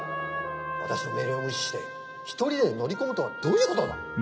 私の命令を無視して一人で乗り込むとはどういう事だ！